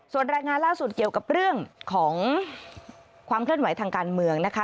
ส่วนรายงานล่าสุดเกี่ยวกับเรื่องของความเคลื่อนไหวทางการเมืองนะคะ